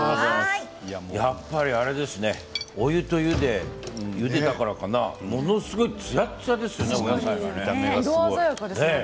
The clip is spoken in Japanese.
やっぱりあれですねお湯と油でゆでたからかなものすごいつやつやですね。